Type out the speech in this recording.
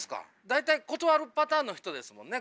大体断るパターンの人ですもんね？